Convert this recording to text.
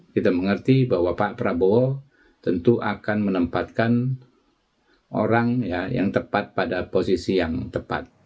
kita mengerti bahwa pak prabowo tentu akan menempatkan orang yang tepat pada posisi yang tepat